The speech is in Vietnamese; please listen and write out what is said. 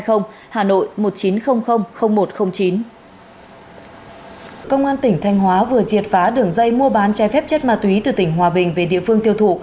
công an tỉnh thanh hóa vừa triệt phá đường dây mua bán trái phép chất ma túy từ tỉnh hòa bình về địa phương tiêu thụ